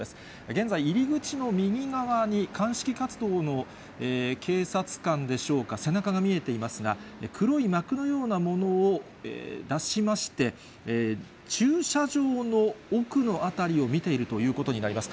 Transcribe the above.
現在、入り口の右側に鑑識活動の警察官でしょうか、背中が見えていますが、黒い幕のようなものを出しまして、駐車場の奥の辺りを見ているということになります。